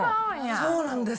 そうなんです。